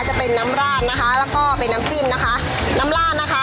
จะเป็นน้ำราดนะคะแล้วก็เป็นน้ำจิ้มนะคะน้ำราดนะคะ